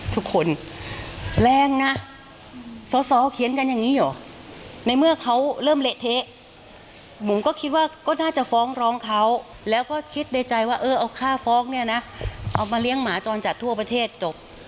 เธอเอาค่าโฟคนะเอามาเลี้ยงหมาจรจัดทั่วประเทศจบ